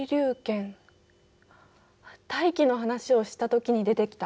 大気の話をした時に出てきた。